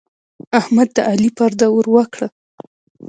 احمد د علي پرده ور وکړه.